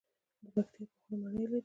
د پکتیا باغونه مڼې لري.